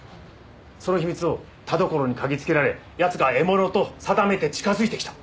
その秘密を田所に嗅ぎつけられ奴が獲物と定めて近づいてきた。